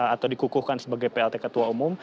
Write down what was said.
atau dikukuhkan sebagai plt ketua umum